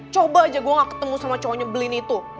coba aja gue gak ketemu sama cowoknya belin itu